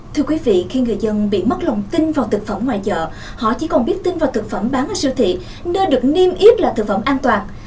thưa quý vị khi người dân bị mất lòng tin vào thực phẩm ngoài chợ họ chỉ còn biết tin vào thực phẩm bán ở siêu thị nơi được niêm yết là thực phẩm an toàn